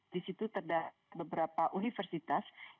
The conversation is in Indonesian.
di situ terdapat beberapa universitas